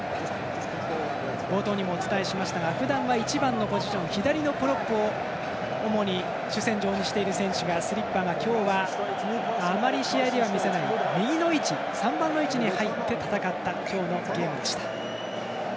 冒頭にもお伝えしましたがふだんは１番のポジション左のプロップを主に主戦場にしている選手がスリッパーが、今日はあまり試合では見せない右の位置、３番の位置に入って戦った今日のゲームでした。